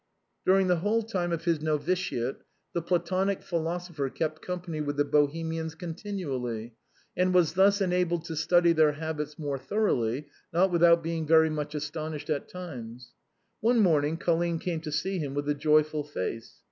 During the whole time of his novitiate the Platonic philosoplier kept company with the Bohemians continually, and was thus enabled to study their habits more thoroughly, not without being very much astonished at times. One morning, Colline came to see him with a joyful face.